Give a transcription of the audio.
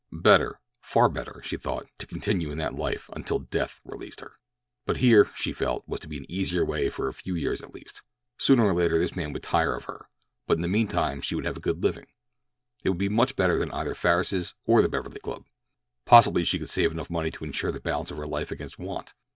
Better, far better, she thought, to continue in that life until death released her. But here, she felt, was to be an easier way for a few years at least. Sooner or later this man would tire of her, but in the mean time she would have a good living—it would be much better than either Farris's or the Beverly Club. Possibly she could save enough money to insure the balance of her life against want.